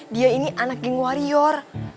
dia ini anak ging warior